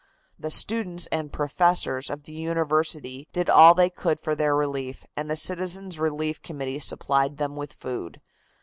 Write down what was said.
The students and professors of the University did all they could for their relief, and the Citizens' Relief Committee supplied them with food.